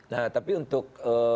nah tapi untuk